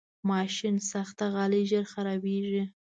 ماشینساخته غالۍ ژر خرابېږي.